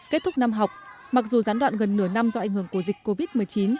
kết thúc năm học mặc dù gián đoạn gần nửa năm do ảnh hưởng của dịch covid một mươi chín